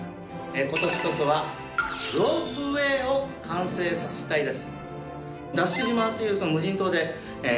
今年こそは、ロープウエーを完成させたいです。